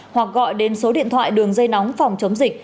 hoặc gọi đến số điện thoại đường dây nóng phòng chống dịch